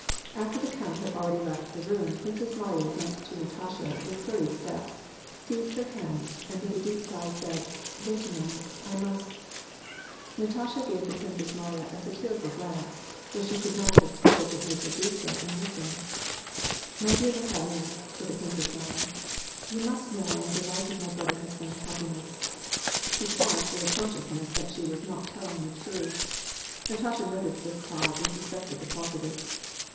After the count had already 336 WAR AND PEACE. left the room the Princess Mariya went to Natasha with hurried steps, seized her hand, and with a deep sigh said, "Wait a mo ment, I must "— Natasha gave the Princess Mariya a satirical glance, though she could not have told what made her do so, and listened. " My dear Nathalie," said the Princess Mariya, " you must know I am delighted my brother has found happi ness." She paused with a consciousness that she was not tell ing the truth. Natasha noticed this pause, and suspected the cause of it.